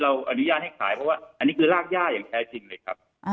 อนุญาตให้ขายเพราะว่าอันนี้คือรากย่าอย่างแท้จริงเลยครับ